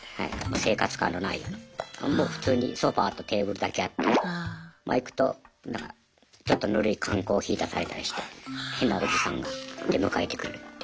生活感のないようなもう普通にソファーとテーブルだけあってま行くとなんかちょっとぬるい缶コーヒー出されたりして変なおじさんが出迎えてくれるっていう。